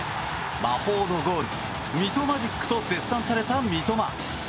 魔法のゴール、ミトマジックと絶賛された三笘。